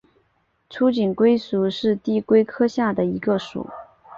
粗颈龟属是地龟科下的一个属。